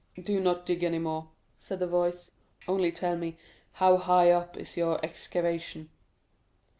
"Do not dig any more," said the voice; "only tell me how high up is your excavation?"